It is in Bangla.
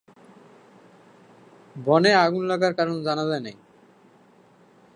বনে আগুন লাগার কারণ জানা যায়নি।